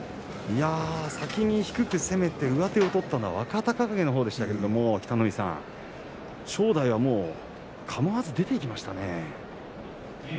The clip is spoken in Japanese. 先に低く攻めて上手を取ったのは若隆景のほうでしたけど正代というのはかまわず出ていきましたね。